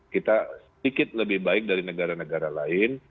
kita sedikit lebih baik dari negara negara lain